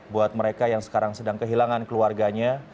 buat mereka yang sekarang sedang kehilangan keluarganya